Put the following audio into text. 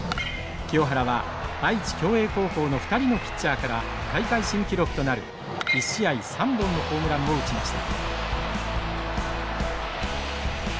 清原は、愛知・享栄高校の２人のピッチャーから大会新記録となる１試合３本のホームランを打ちました。